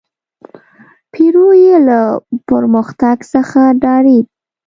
پیرو یې له پرمختګ څخه ډارېد.